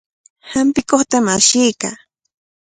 Hampikuqtami ashiykaa.